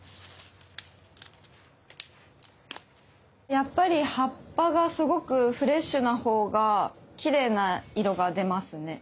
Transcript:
やっぱり葉っぱがすごくフレッシュなほうがきれいな色が出ますね。